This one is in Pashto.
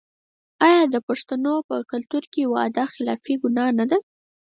آیا د پښتنو په کلتور کې وعده خلافي ګناه نه ده؟